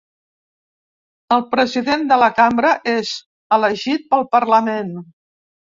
El president de la cambra és elegit pel Parlament.